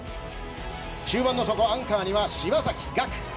中盤の底、アンカーには柴崎岳。